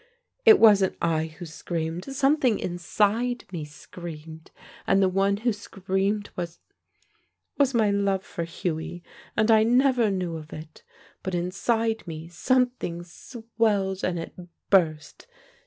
It wasn't I who screamed; something inside me screamed, and the one who screamed was was my love for Hughie, and I never knew of it. But inside me something swelled, and it burst.